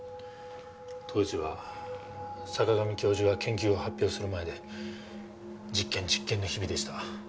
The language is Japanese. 当時は坂上教授が研究を発表する前で実験実験の日々でした。